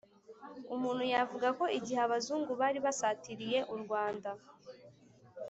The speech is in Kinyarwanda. umuntu yavuga ko igihe abazungu bari basatiriye u rwanda